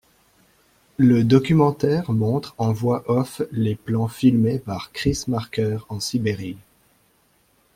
Le documentaire montre en voix-off les plans filmés par Chris Marker en Sibérie.